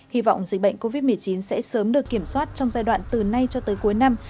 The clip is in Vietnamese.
hy vọng dịch bệnh covid một mươi chín sẽ sớm được kiểm soát trong giai đoạn từ nay cho tới cuối năm